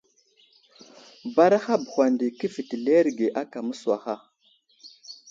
Baraha bəhwa nde kéfetileerege ákà mə́suwaha.